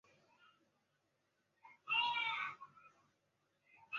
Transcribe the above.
他将李维史陀的思想引进英国社会人类学。